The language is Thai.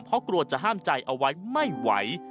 เพราะกลัวจะห้ามใจเอาไว้ไม่ไหว